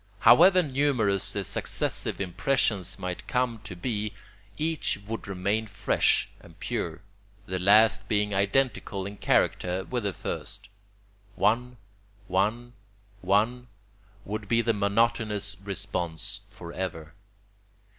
However numerous the successive impressions might come to be, each would remain fresh and pure, the last being identical in character with the first. One, one, one, would be the monotonous response for ever.